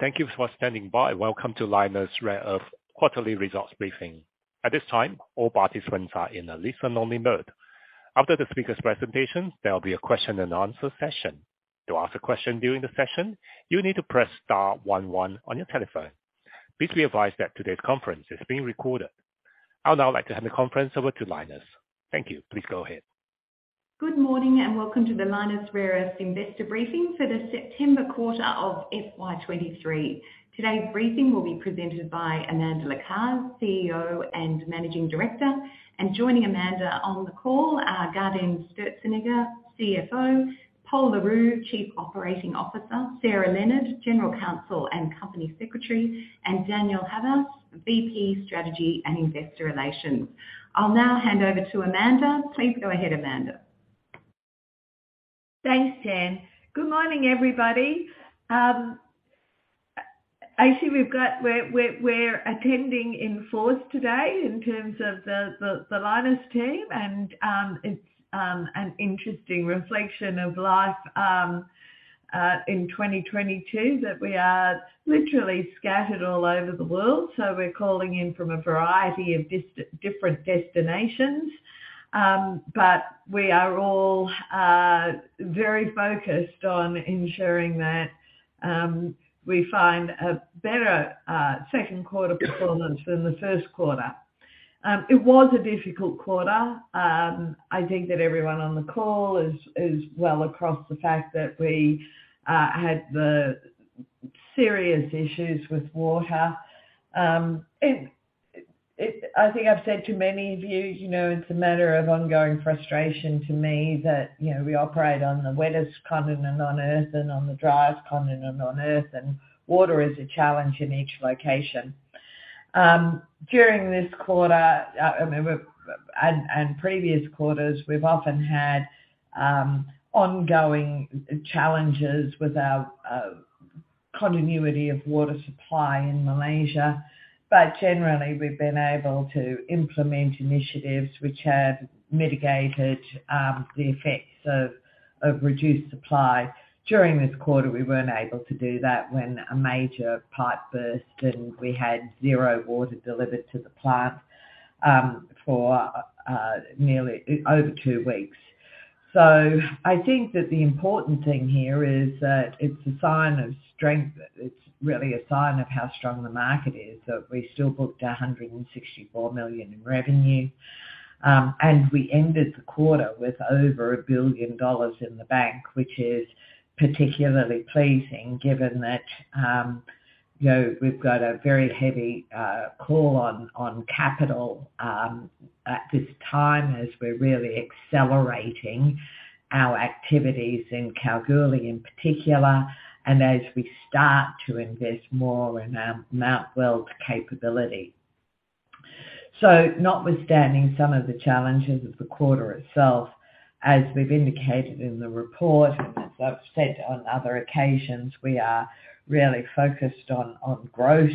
Thank you for standing by. Welcome to Lynas Rare Earths quarterly results briefing. At this time, all participants are in a listen-only mode. After the speaker's presentations, there'll be a Q&A session. To ask a question during the session, you need to press star one one on your telephone. Please be advised that today's conference is being recorded. I'll now like to hand the conference over to Lynas. Thank you. Please go ahead. Good morning, and welcome to the Lynas Rare Earths investor briefing for the September quarter of FY23. Today's briefing will be presented by Amanda Lacaze, CEO and Managing Director. Joining Amanda on the call are Gaudenz Sturzenegger, CFO, Pol Le Roux, Chief Operating Officer, Sarah Leonard, General Counsel and Company Secretary, and Daniel Havas, VP Strategy and Investor Relations. I'll now hand over to Amanda. Please go ahead, Amanda. Thanks, Dan. Good morning, everybody. Actually, we're attending in force today in terms of the Lynas team, and it's an interesting reflection of life in 2022 that we are literally scattered all over the world. We're calling in from a variety of different destinations. We are all very focused on ensuring that we find a better Q2 performance than the Q1. It was a difficult quarter. I think that everyone on the call is well across the fact that we had the serious issues with water. I think I've said to many of you know, it's a matter of ongoing frustration to me that, you know, we operate on the wettest continent on Earth and on the driest continent on Earth, and water is a challenge in each location. During this quarter and previous quarters, we've often had ongoing challenges with our continuity of water supply in Malaysia. But generally, we've been able to implement initiatives which have mitigated the effects of reduced supply. During this quarter, we weren't able to do that when a major pipe burst, and we had zero water delivered to the plant for nearly over two weeks. I think that the important thing here is that it's a sign of strength. It's really a sign of how strong the market is that we still booked 164 million in revenue. We ended the quarter with over 1 billion dollars in the bank, which is particularly pleasing given that, you know, we've got a very heavy call on capital at this time as we're really accelerating our activities in Kalgoorlie, in particular, and as we start to invest more in Mount Weld's capability. Notwithstanding some of the challenges of the quarter itself, as we've indicated in the report and as I've said on other occasions, we are really focused on growth.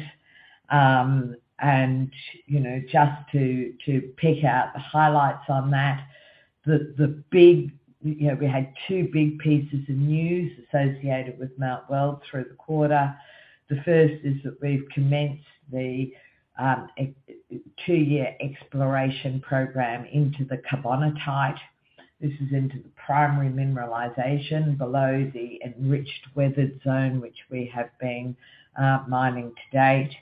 You know just to pick out the highlights on that. The big, you know, we had two big pieces of news associated with Mount Weld through the quarter. The first is that we've commenced the two year exploration program into the carbonatite. This is into the primary mineralization below the enriched weathered zone which we have been mining to date.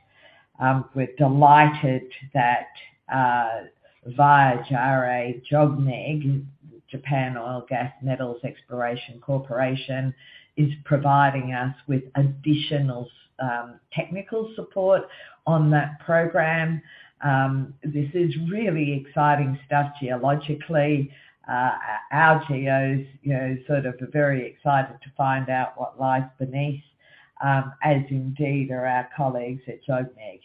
We're delighted that via JARE JOGMEC, Japan Oil, Gas and Metals National Corporation, is providing us with additional technical support on that program. This is really exciting stuff geologically. Our geos, you know, sort of are very excited to find out what lies beneath, as indeed are our colleagues at JOGMEC.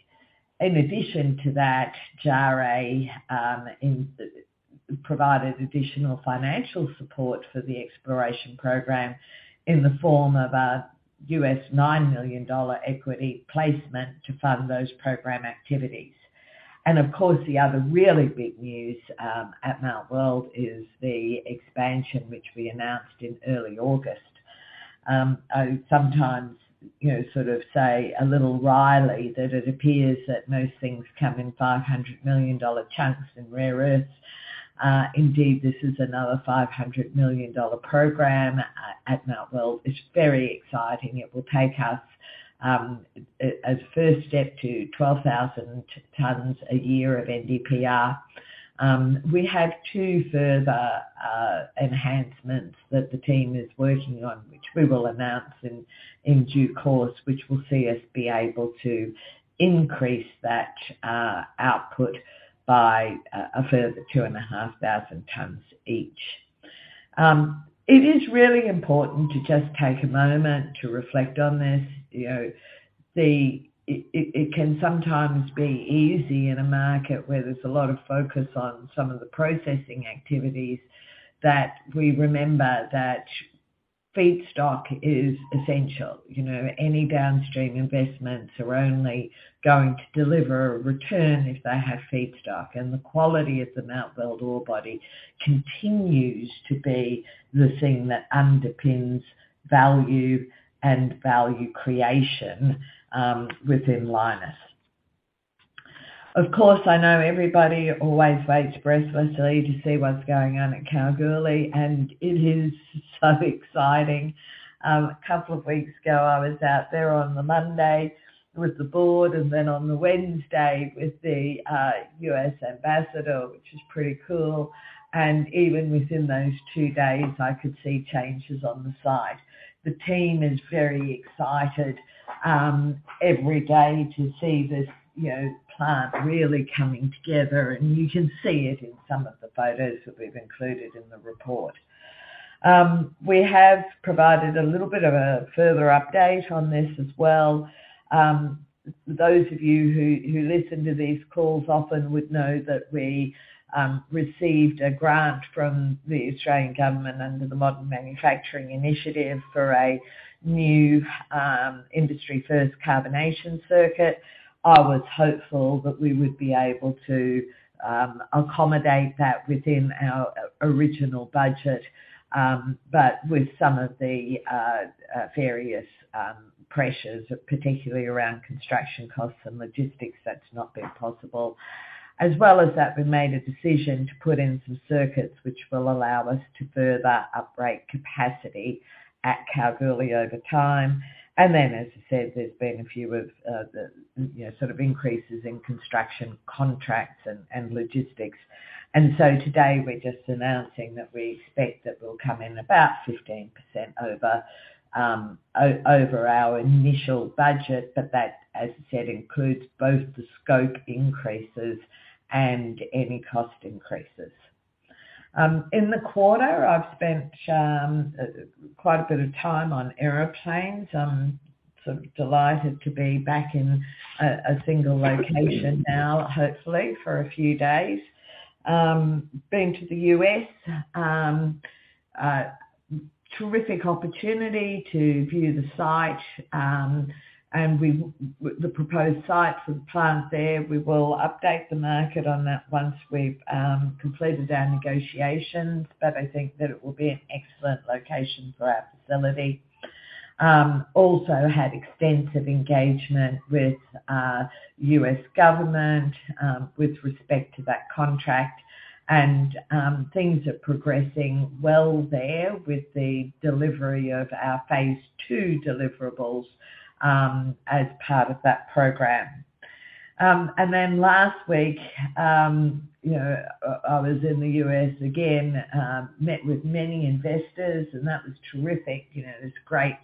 In addition to that, JARE provided additional financial support for the exploration program in the form of a $9 million equity placement to fund those program activities. Of course, the other really big news at Mount Weld is the expansion which we announced in early August. I sometimes, you know, sort of say a little wryly that it appears that most things come in 500 million dollar chunks in rare earths. Indeed, this is another 500 million dollar program at Mount Weld. It's very exciting. It will take us, as first step to 12,000 tons a year of NDPR. We have two further enhancements that the team is working on, which we will announce in due course, which will see us be able to increase that output by a further 2,500 tons each. It is really important to just take a moment to reflect on this. You know, it can sometimes be easy in a market where there's a lot of focus on some of the processing activities that we remember that feedstock is essential. You know, any downstream investments are only going to deliver a return if they have feedstock. The quality of the Mount Weld ore body continues to be the thing that underpins value and value creation within Lynas. Of course, I know everybody always waits breathlessly to see what's going on at Kalgoorlie, and it is so exciting. A couple of weeks ago, I was out there on the Monday with the board and then on the Wednesday with the U.S. Ambassador, which is pretty cool. Even within those two days, I could see changes on the site. The team is very excited every day to see this, you know, plant really coming together. You can see it in some of the photos that we've included in the report. We have provided a little bit of a further update on this as well. Those of you who listen to these calls often would know that we received a grant from the Australian government under the Modern Manufacturing Initiative for a new industry first carbonation circuit. I was hopeful that we would be able to accommodate that within our original budget. With some of the various pressures, particularly around construction costs and logistics, that's not been possible. As well as that, we made a decision to put in some circuits which will allow us to further upgrade capacity at Kalgoorlie over time. As I said, there's been a few of the you know sort of increases in construction contracts and logistics. Today we're just announcing that we expect that we'll come in about 15% over our initial budget. That, as I said, includes both the scope increases and any cost increases. In the quarter, I've spent quite a bit of time on airplanes. I'm sort of delighted to be back in a single location now, hopefully for a few days. Been to the U.S., terrific opportunity to view the site, and the proposed site for the plant there. We will update the market on that once we've completed our negotiations, but I think that it will be an excellent location for our facility. Also had extensive engagement with U.S. government with respect to that contract. Things are progressing well there with the delivery of our phase two deliverables as part of that program. Then last week, you know, I was in the U.S. again. Met with many investors, and that was terrific. You know, there's great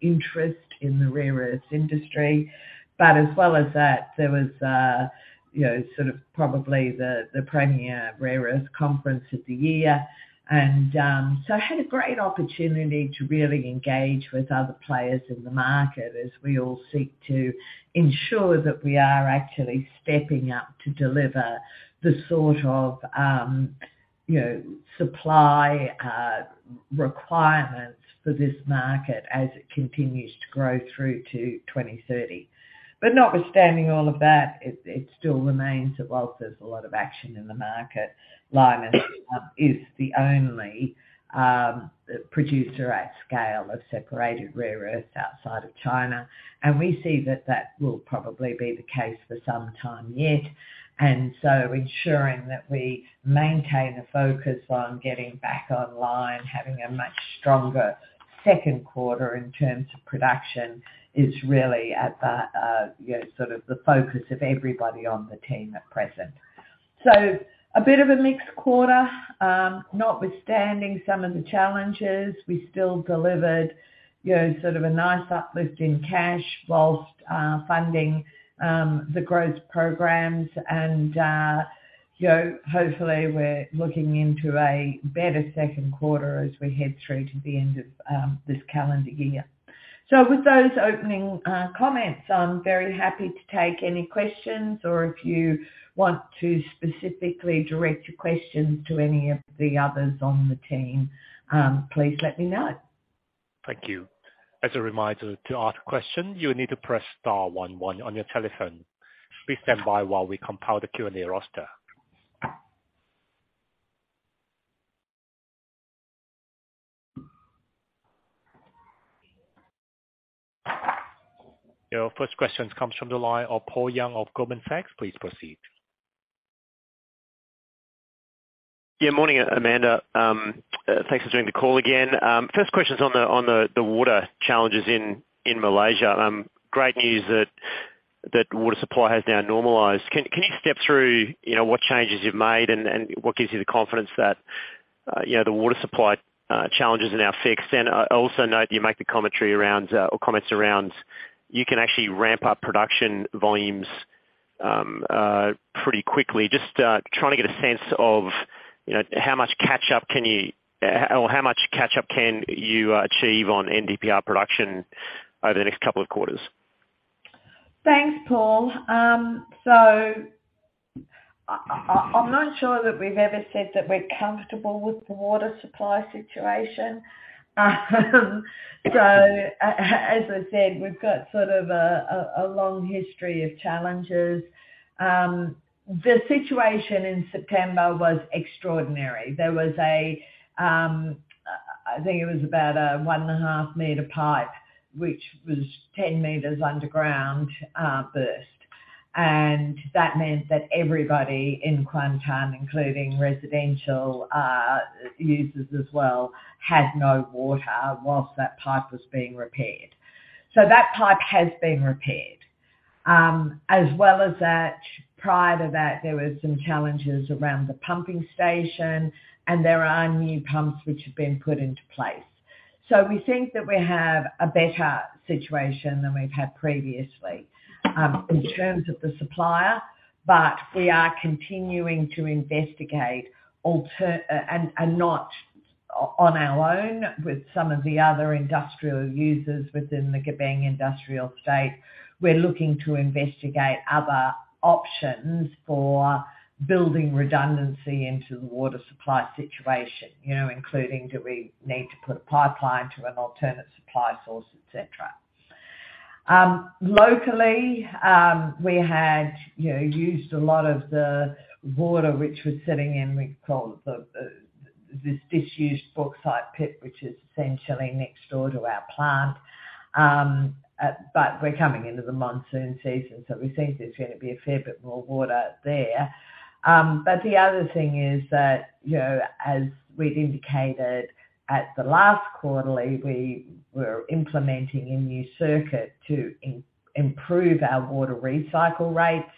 interest in the rare earths industry. As well as that, there was, you know, sort of probably the premier rare earths conference of the year. I had a great opportunity to really engage with other players in the market as we all seek to ensure that we are actually stepping up to deliver the sort of, you know, supply requirements for this market as it continues to grow through to 2030. Notwithstanding all of that, it still remains that whilst there's a lot of action in the market, Lynas is the only producer at scale of separated rare earths outside of China. We see that that will probably be the case for some time yet. Ensuring that we maintain a focus on getting back online, having a much stronger Q2 in terms of production is really at the, you know, sort of the focus of everybody on the team at present. A bit of a mixed quarter. Notwithstanding some of the challenges, we still delivered, you know, sort of a nice uplift in cash whilst funding the growth programs and, you know, hopefully we're looking into a better Q2 as we head through to the end of this calendar year. With those opening comments, I'm very happy to take any questions or if you want to specifically direct your questions to any of the others on the team, please let me know. Thank you. As a reminder, to ask a question, you need to press star one one on your telephone. Please stand by while we compile the Q&A roster. Your first question comes from the line of Paul Young of Goldman Sachs. Please proceed. Yeah, morning, Amanda. Thanks for doing the call again. First question is on the water challenges in Malaysia. Great news that water supply has now normalized. Can you step through, you know, what changes you've made and what gives you the confidence that, you know, the water supply challenge is now fixed? I also note that you make the commentary around or comments around you can actually ramp up production volumes pretty quickly. Just trying to get a sense of, you know, how much catch-up can you achieve on NDPR production over the next couple of quarters? Thanks, Paul. I'm not sure that we've ever said that we're comfortable with the water supply situation. As I said, we've got sort of a long history of challenges. The situation in September was extraordinary. There was a I think it was about a 1.5 m pipe, which was 10 m underground, burst. That meant that everybody in Kuantan, including residential users as well, had no water while that pipe was being repaired. That pipe has been repaired. As well as that, prior to that, there were some challenges around the pumping station, and there are new pumps which have been put into place. We think that we have a better situation than we've had previously, in terms of the supplier. We are continuing to investigate and not on our own with some of the other industrial users within the Gebeng industrial state. We're looking to investigate other options for building redundancy into the water supply situation, you know, including do we need to put a pipeline to an alternate supply source, etc. Locally, we had used a lot of the water which was sitting in what we call this disused bauxite pit, which is essentially next door to our plant. We're coming into the monsoon season, so we think there's gonna be a fair bit more water there. The other thing is that, you know, as we'd indicated at the last quarterly, we were implementing a new circuit to improve our water recycle rates.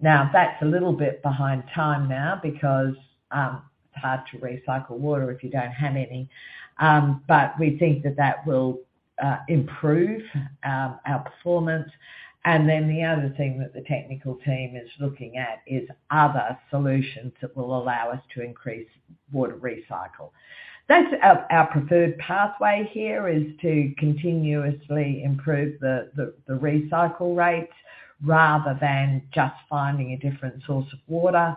Now, that's a little bit behind time now because it's hard to recycle water if you don't have any. We think that will improve our performance. The other thing that the technical team is looking at is other solutions that will allow us to increase water recycle. That's our preferred pathway here is to continuously improve the recycle rates rather than just finding a different source of water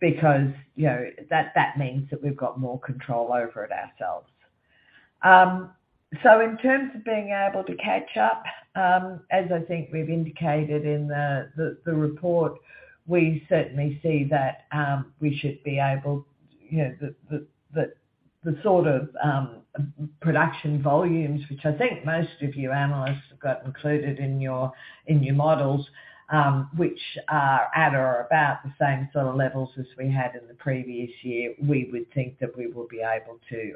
because you know that means that we've got more control over it ourselves. In terms of being able to catch up, as I think we've indicated in the report, we certainly see that we should be able, you know, the sort of production volumes, which I think most of you analysts have got included in your models, which are at or about the same sort of levels as we had in the previous year. We would think that we will be able to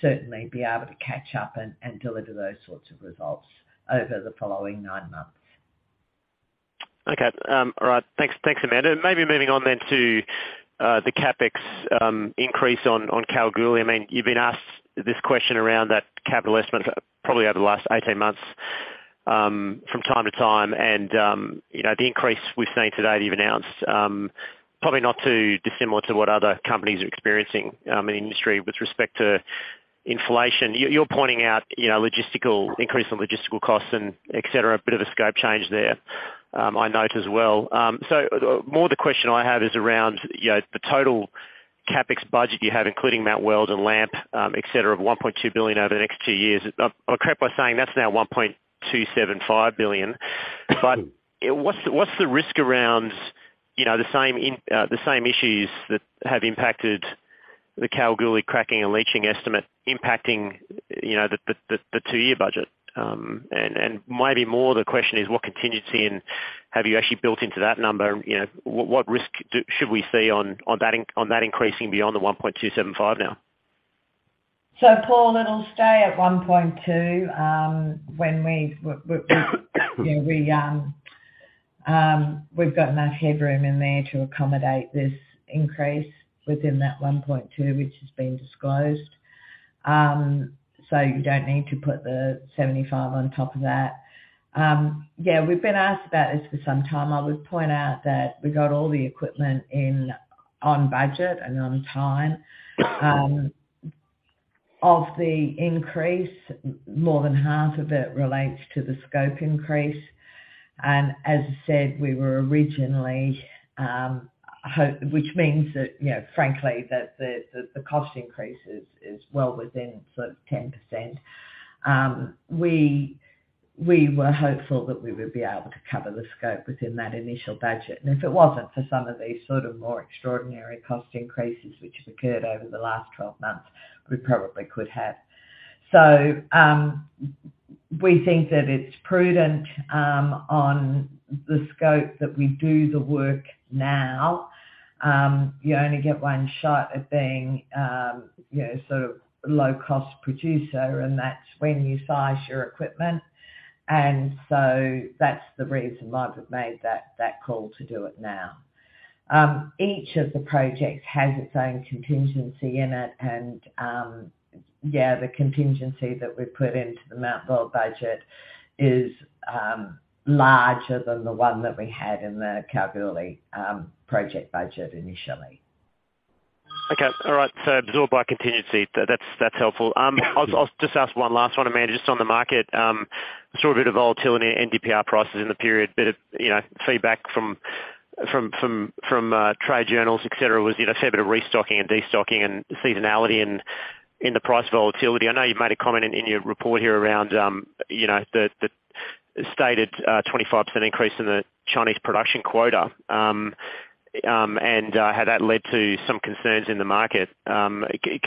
certainly be able to catch up and deliver those sorts of results over the following nine months. Okay. All right. Thanks, Amanda. Maybe moving on then to the CapEx increase on Kalgoorlie. I mean, you've been asked this question around that capital estimate probably over the last 18 months from time to time and you know, the increase we've seen today that you've announced probably not too dissimilar to what other companies are experiencing in industry with respect to inflation. You're pointing out you know, logistical increase in logistical costs and et cetera. A bit of a scope change there, I note as well. More the question I have is around you know, the total CapEx budget you have, including Mount Weld and LAMP et cetera, of 1.2 billion over the next two years. I'm correct by saying that's now 1.275 billion? What's the risk around, you know, the same issues that have impacted the Kalgoorlie cracking and leaching estimate impacting, you know, the two year budget? Maybe more the question is what contingency and have you actually built into that number? You know, what risk should we see on that increasing beyond the 1.275 now? Paul, it'll stay at 1.2 when we've got enough headroom in there to accommodate this increase within that 1.2, which has been disclosed. You don't need to put the 75 on top of that. Yeah, we've been asked about this for some time. I would point out that we got all the equipment in on budget and on time. Of the increase, more than half of it relates to the scope increase. As I said, which means that, you know, frankly, that the cost increase is well within sort of 10%. We were hopeful that we would be able to cover the scope within that initial budget. If it wasn't for some of these sort of more extraordinary cost increases which have occurred over the last 12 months, we probably could have. We think that it's prudent on the scope that we do the work now. You only get one shot at being, you know, sort of low-cost producer, and that's when you size your equipment. That's the reason why we've made that call to do it now. Each of the projects has its own contingency in it and, yeah, the contingency that we've put into the Mount Weld budget is larger than the one that we had in the Kalgoorlie project budget initially. Okay. All right. Absorbed by contingency. That's helpful. I'll just ask one last one, Amanda, just on the market. Saw a bit of volatility in NDPR prices in the period. A bit of, you know, feedback from trade journals, et cetera, was, you know, a fair bit of restocking and destocking and seasonality in the price volatility. I know you've made a comment in your report here around, you know, the stated 25% increase in the Chinese production quota, and how that led to some concerns in the market. Can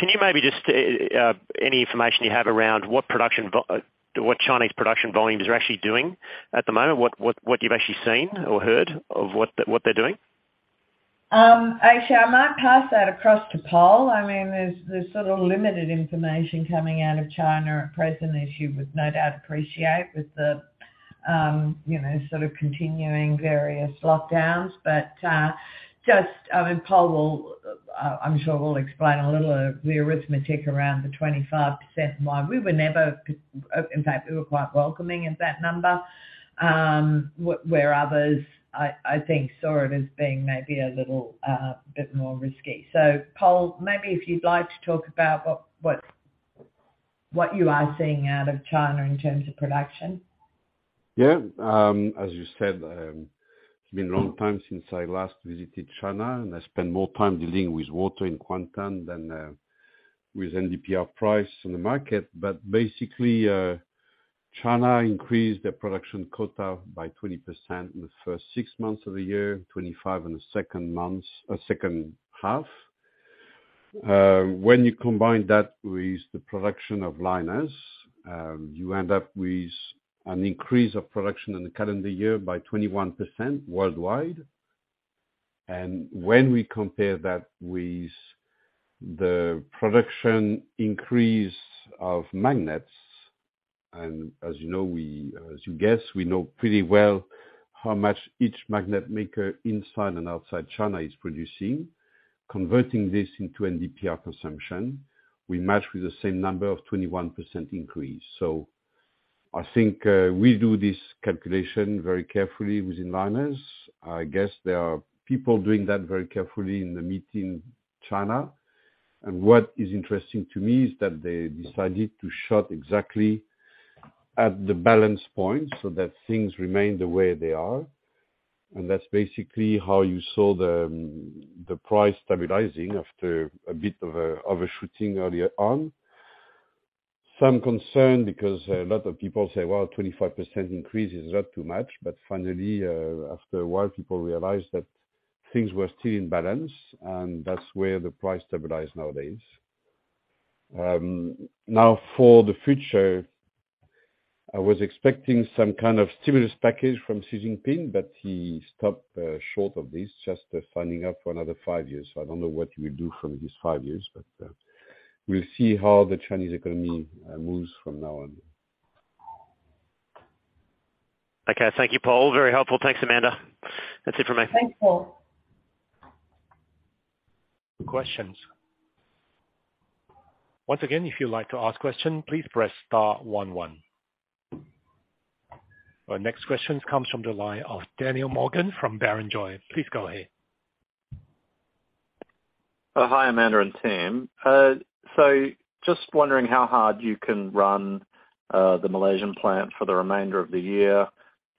you maybe just any information you have around what Chinese production volumes are actually doing at the moment? What you've actually seen or heard of what they're doing? Actually, I might pass that across to Pol Le Roux. I mean, there's sort of limited information coming out of China at present, as you would no doubt appreciate with the, you know, sort of continuing various lockdowns. Just, I mean, Pol Le Roux will, I'm sure will explain a little of the arithmetic around the 25% and why we were never, in fact, we were quite welcoming of that number. Where others, I think, saw it as being maybe a little bit more risky. Pol Le Roux, maybe if you'd like to talk about what you are seeing out of China in terms of production. Yeah. As you said, it's been a long time since I last visited China, and I spent more time dealing with water in Kuantan than with NDPR price in the market. Basically, China increased their production quota by 20% in the first six months of the year, 25 in the H2. When you combine that with the production of Lynas, you end up with an increase of production in the calendar year by 21% worldwide. When we compare that with the production increase of magnets, and as you know, we know pretty well how much each magnet maker inside and outside China is producing. Converting this into NDPR consumption, we match with the same number of 21% increase. I think, we do this calculation very carefully within Lynas. I guess there are people doing that very carefully in the meeting with China. What is interesting to me is that they decided to cut exactly at the balance point so that things remain the way they are. That's basically how you saw the price stabilizing after a bit of a shoot-up earlier on. Some concern because a lot of people say, "Well, 25% increase is not too much." Finally, after a while, people realized that things were still in balance, and that's where the price stabilize nowadays. For the future, I was expecting some kind of stimulus package from Xi Jinping, but he stopped short of this, just fronting up for another five years. I don't know what he will do from these five years, but we'll see how the Chinese economy moves from now on. Okay. Thank you, Pol. Very helpful. Thanks, Amanda. That's it from me. Thanks, Paul. Questions. Once again, if you'd like to ask question, please press star one one. Our next question comes from the line of Daniel Morgan from Barrenjoey. Please go ahead. Hi, Amanda and team. Just wondering how hard you can run the Malaysian plant for the remainder of the year.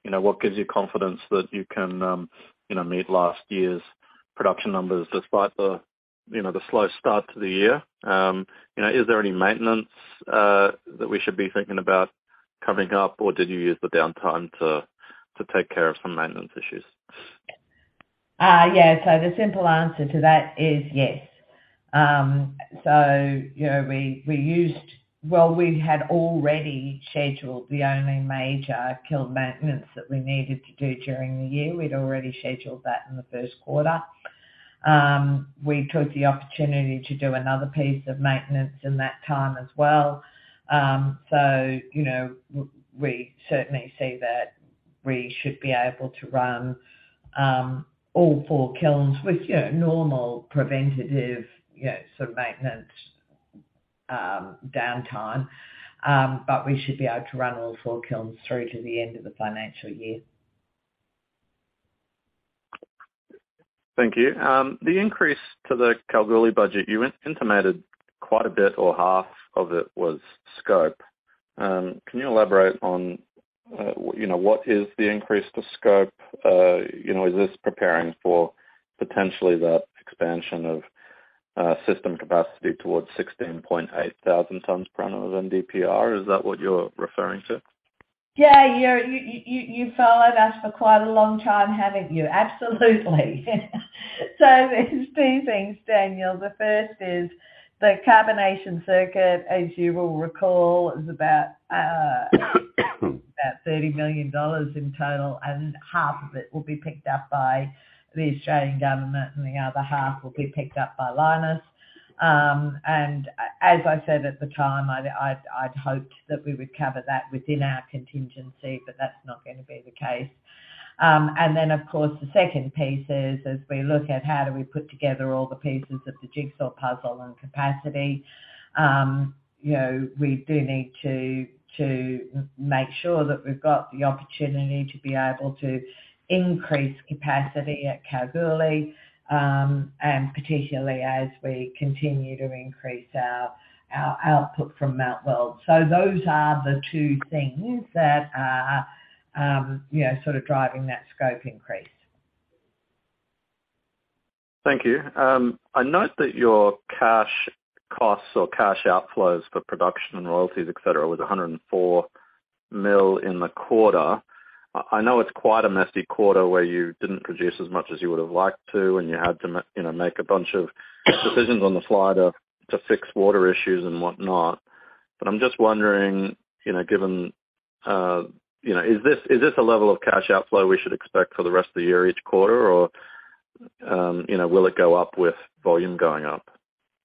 You know, what gives you confidence that you can, you know, meet last year's production numbers despite the, you know, the slow start to the year? You know, is there any maintenance that we should be thinking about coming up? Or did you use the downtime to take care of some maintenance issues? The simple answer to that is yes. Well, we had already scheduled the only major kiln maintenance that we needed to do during the year. We'd already scheduled that in the Q1. We took the opportunity to do another piece of maintenance in that time as well. You know, we certainly see that we should be able to run all four kilns with, you know, normal preventative, you know, sort of maintenance downtime. We should be able to run all four kilns through to the end of the financial year. Thank you. The increase to the Kalgoorlie budget, you intimated quite a bit or half of it was scope. Can you elaborate on, you know, what is the increase to scope? You know, is this preparing for potentially that expansion of system capacity towards 16,800 tons per annum of NDPR? Is that what you're referring to? Yeah. You've followed us for quite a long time, haven't you? Absolutely. There's two things, Daniel. The first is the carbonation circuit, as you will recall, is about 30 million dollars in total, and half of it will be picked up by the Australian government, and the other half will be picked up by Lynas. As I said at the time, I'd hoped that we would cover that within our contingency, but that's not gonna be the case. Of course, the second piece is as we look at how do we put together all the pieces of the jigsaw puzzle and capacity. You know, we do need to make sure that we've got the opportunity to be able to increase capacity at Kalgoorlie, and particularly as we continue to increase our output from Mount Weld. Those are the two things that are, you know, sort of driving that scope increase. Thank you. I note that your cash costs or cash outflows for production and royalties, et cetera, was 104 million in the quarter. I know it's quite a messy quarter where you didn't produce as much as you would have liked to, and you had to you know, make a bunch of decisions on the fly to fix water issues and whatnot. I'm just wondering, you know, given, you know, is this a level of cash outflow we should expect for the rest of the year each quarter or, you know, will it go up with volume going up?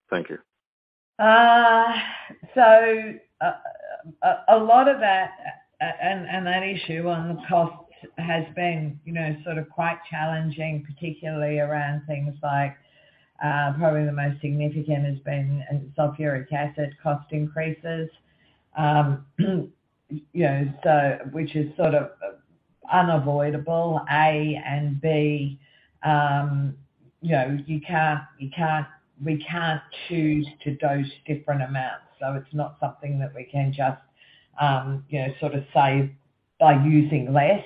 Thank you. A lot of that, and that issue on costs has been, you know, sort of quite challenging, particularly around things like, probably the most significant has been sulfuric acid cost increases. Which is sort of unavoidable, A and B, you know, you can't, we can't choose to dose different amounts, so it's not something that we can just, you know, sort of save by using less.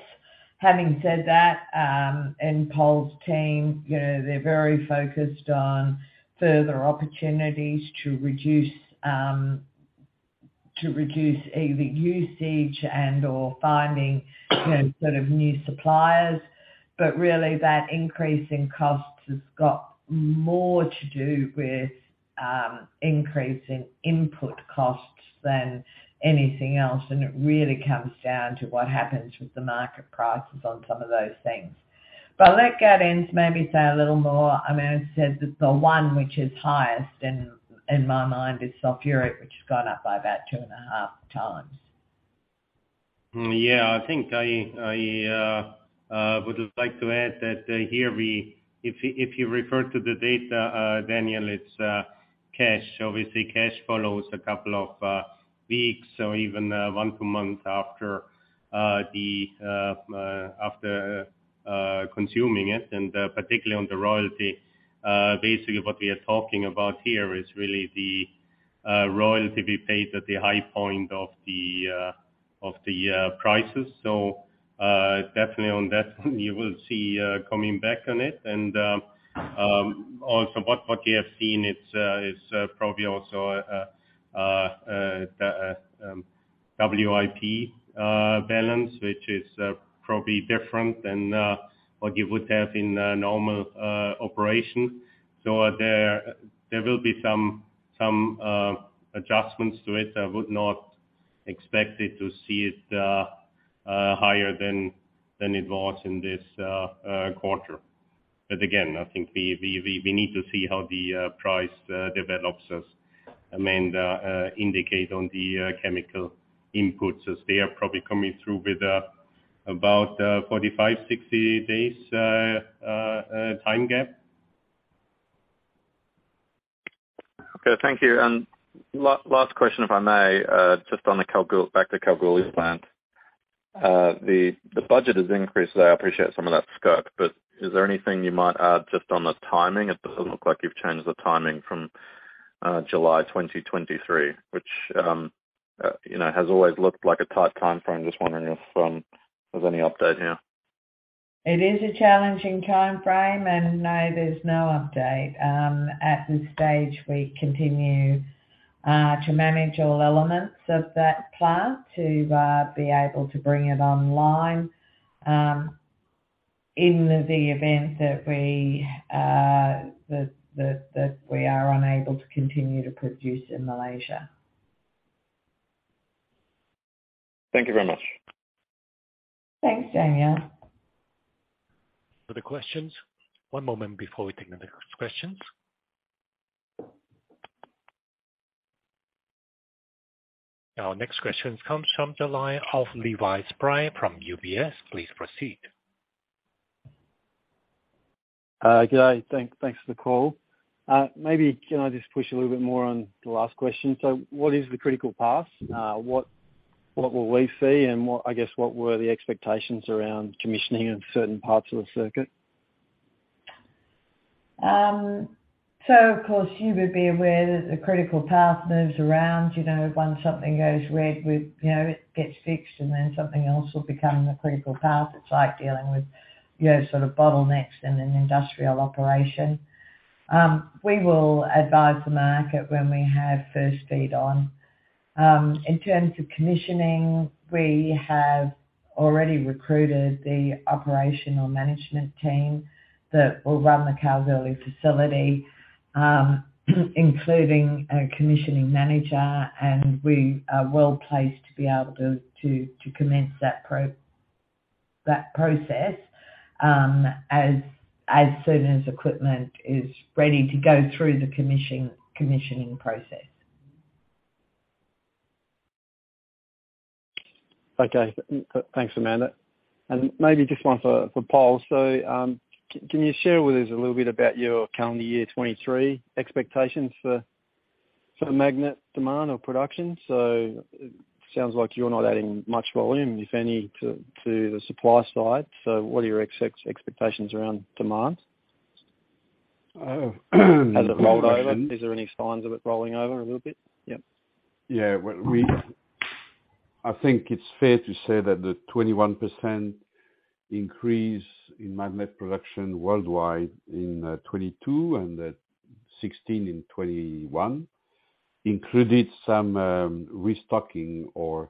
Having said that, Pol's team, you know, they're very focused on further opportunities to reduce either usage and/or finding, you know, sort of new suppliers. Really, that increase in costs has got more to do with increase in input costs than anything else. It really comes down to what happens with the market prices on some of those things. I'll let Gaudenz maybe say a little more. I mean, I said that the one which is highest in my mind is sulfuric, which has gone up by about two and a half times. I think I would like to add that, here, if you refer to the data, Daniel, it's cash. Obviously, cash follows a couple of weeks or even one or two months after consuming it, and particularly on the royalty. Basically what we are talking about here is really the royalty we paid at the high point of the prices. Definitely on that you will see coming back on it. Also what you have seen is probably also the WIP balance, which is probably different than what you would have in a normal operation. There will be some adjustments to it. I would not expect to see it higher than it was in this quarter. Again, I think we need to see how the price develops as Amanda indicated on the chemical inputs as they are probably coming through with about 45-60 days time gap. Okay. Thank you. Last question, if I may, just on the Kalgoorlie plant. The budget has increased today. I appreciate some of that scope, but is there anything you might add just on the timing? It doesn't look like you've changed the timing from July 2023, which you know has always looked like a tight timeframe. Just wondering if there's any update now. It is a challenging timeframe, and no, there's no update. At this stage, we continue to manage all elements of that plant to be able to bring it online in the event that we are unable to continue to produce in Malaysia. Thank you very much. Thanks, Daniel. Further questions? One moment before we take the next questions. Our next question comes from the line of Levi Spry from UBS. Please proceed. Good day. Thanks for the call. Maybe can I just push a little bit more on the last question? What is the critical path? What will we see and what, I guess, were the expectations around commissioning of certain parts of the circuit? Of course, you would be aware that the critical path moves around. You know, once something goes red with, you know, it gets fixed, and then something else will become the critical path. It's like dealing with your sort of bottlenecks in an industrial operation. We will advise the market when we have first feed on. In terms of commissioning, we have already recruited the operational management team that will run the Kalgoorlie facility, including a commissioning manager, and we are well placed to be able to commence that process, as soon as equipment is ready to go through the commissioning process. Okay. Thanks, Amanda. Maybe just one for Pol. Can you share with us a little bit about your calendar year 2023 expectations for magnet demand or production? It sounds like you're not adding much volume, if any, to the supply side. What are your expectations around demand? Uh, Has it rolled over? Is there any signs of it rolling over a little bit? Yep. Yeah. I think it's fair to say that the 21% increase in magnet production worldwide in 2022 and 16% in 2021 included some restocking or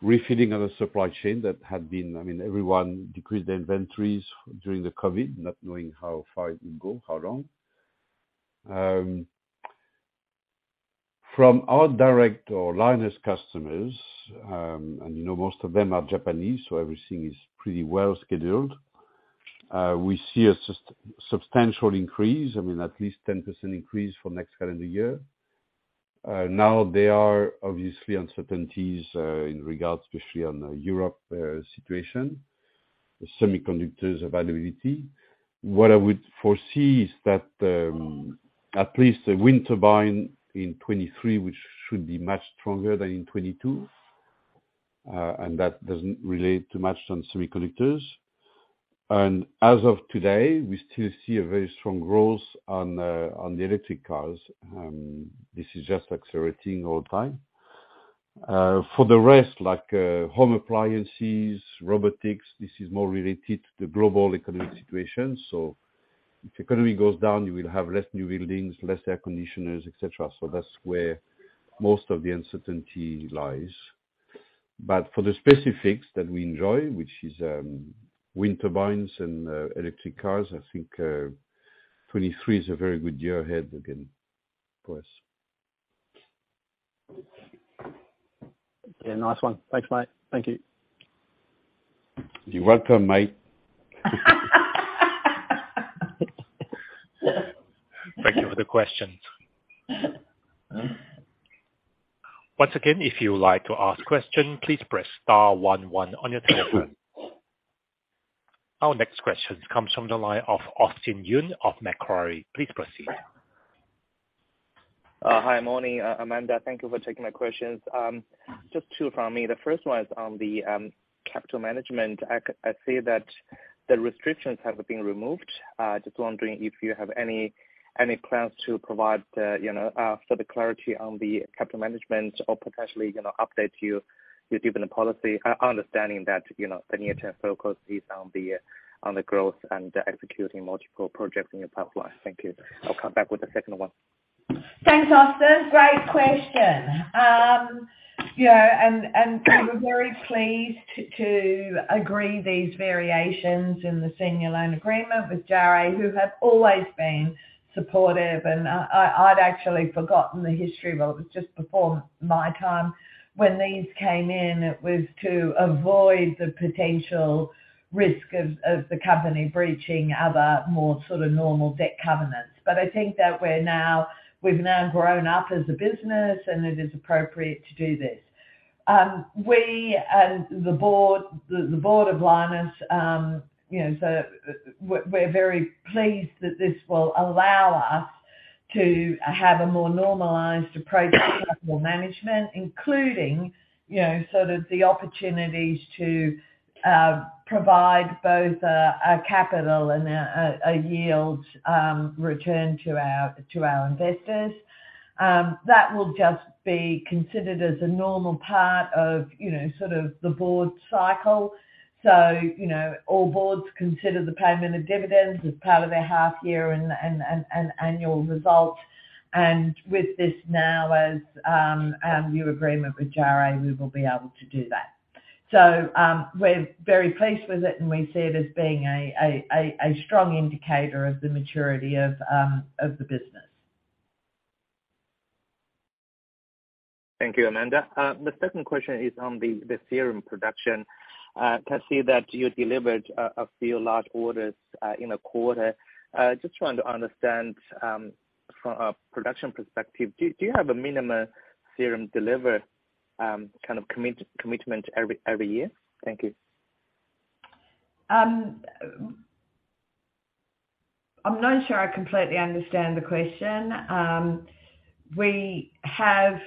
refilling of the supply chain that had been. I mean, everyone decreased their inventories during the COVID, not knowing how far it would go, how long. From our direct Lynas customers, and you know, most of them are Japanese, so everything is pretty well scheduled. We see a substantial increase, I mean, at least 10% increase for next calendar year. Now there are obviously uncertainties, in regards especially on the European situation, the semiconductors availability. What I would foresee is that, at least the wind turbine in 2023, which should be much stronger than in 2022, and that doesn't relate too much on semiconductors. As of today, we still see a very strong growth on the electric cars. This is just accelerating all the time. For the rest, like, home appliances, robotics, this is more related to the global economic situation. If the economy goes down, you will have less new buildings, less air conditioners, et cetera. That's where most of the uncertainty lies. For the specifics that we enjoy, which is wind turbines and electric cars, I think 2023 is a very good year ahead again for us. Yeah. Nice one. Thanks, mate. Thank you. You're welcome, mate. Thank you for the questions. Once again, if you would like to ask question, please press star one one on your telephone. Our next question comes from the line of Austin Yun of Macquarie. Please proceed. Hi. Morning, Amanda. Thank you for taking my questions. Just two from me. The first one is on the capital management. I see that the restrictions have been removed. Just wondering if you have any plans to provide you know further clarity on the capital management or potentially you know update to your dividend policy. Understanding that you know the near-term focus is on the growth and executing multiple projects in your pipeline. Thank you. I'll come back with the second one. Thanks, Austin. Great question. You know, we were very pleased to agree these variations in the senior loan agreement with JARE, who have always been supportive. I'd actually forgotten the history. Well, it was just before my time. When these came in, it was to avoid the potential risk of the company breaching other more sort of normal debt covenants. I think that we've now grown up as a business, and it is appropriate to do this. We, as the board, the board of Lynas, you know, we're very pleased that this will allow us to have a more normalized approach to capital management, including, you know, sort of the opportunities to provide both a capital and a yield return to our investors. That will just be considered as a normal part of, you know, sort of the board cycle. You know, all boards consider the payment of dividends as part of their half year and annual results. With this now as our new agreement with JARE, we will be able to do that. We're very pleased with it, and we see it as being a strong indicator of the maturity of the business. Thank you, Amanda. My second question is on the cerium production. Can see that you delivered a few large orders in the quarter. Just trying to understand from a production perspective. Do you have a minimum cerium deliver kind of commitment every year? Thank you. I'm not sure I completely understand the question. We have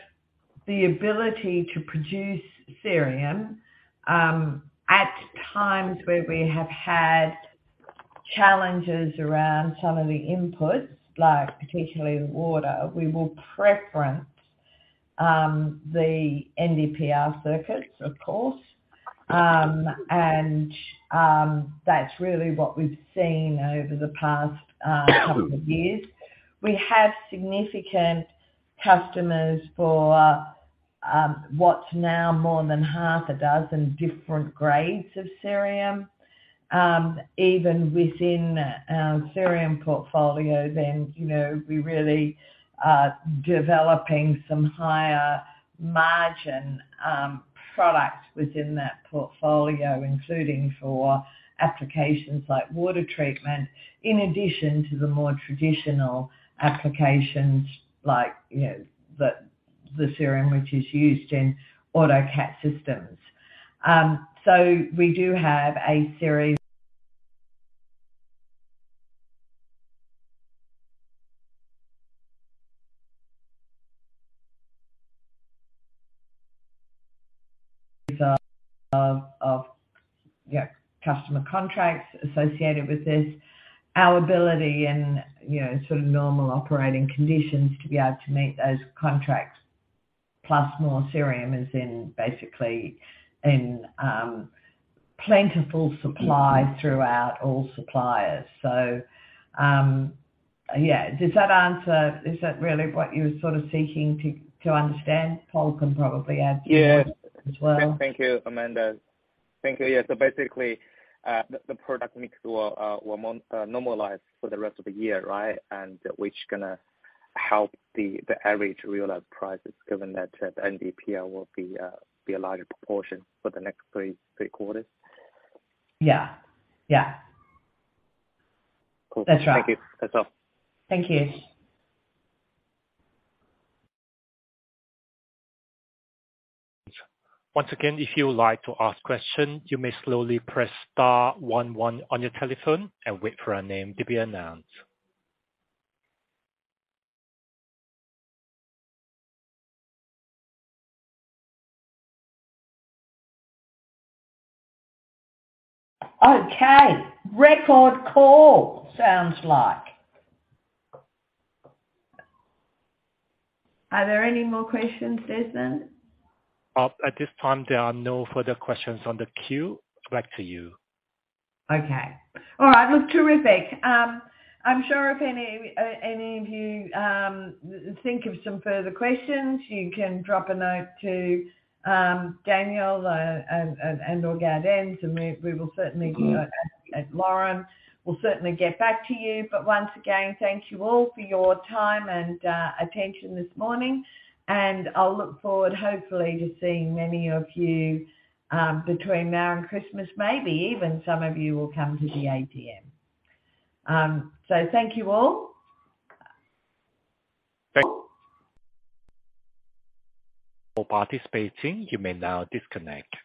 the ability to produce cerium, at times where we have had challenges around some of the inputs, like particularly the water. We will preference, the NDPR circuits, of course. That's really what we've seen over the past, couple of years. We have significant customers for, what's now more than half a dozen different grades of cerium. Even within our cerium portfolio then, you know, we're really, developing some higher margin, products within that portfolio, including for applications like water treatment, in addition to the more traditional applications like, you know, the cerium which is used in auto cat systems. We do have a series of, yeah, customer contracts associated with this, our ability and, you know, sort of normal operating conditions to be able to meet those contracts, plus more Cerium is basically in plentiful supply throughout all suppliers. Yeah. Does that answer? Is that really what you're sort of seeking to understand? Paul can probably add to that as well. Yeah. Thank you, Amanda. Thank you. Yeah. Basically, the product mix will normalize for the rest of the year, right? Which gonna help the average realized prices, given that NDPR will be a larger proportion for the next three quarters. Yeah. Yeah. Cool. That's right. Thank you. That's all. Thank you. Once again, if you would like to ask question, you may slowly press star one one on your telephone and wait for a name to be announced. Okay. Recorded call, sounds like. Are there any more questions, Jason? At this time there are no further questions on the queue. Back to you. Okay. All right. Look, terrific. I'm sure if any of you think of some further questions, you can drop a note to Daniel and/or Gaudenz, and we will certainly get back. Lauren, we'll certainly get back to you. Once again, thank you all for your time and attention this morning. I'll look forward, hopefully, to seeing many of you between now and Christmas. Maybe even some of you will come to the AGM. So thank you all. Thank you for participating. You may now disconnect.